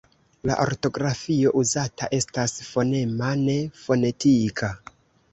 La ortografio uzata estas fonema, ne fonetika.